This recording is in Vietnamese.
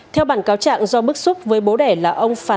theo bản cáo trạng do bức xúc với bố đẻ là ông phán